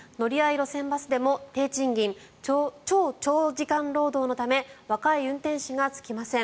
路線バスでも低賃金、超長時間労働のため若い運転手がつきません。